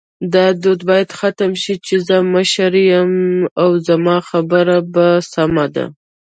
دا دود باید ختم شې چی زه مشر یم او زما خبره به سمه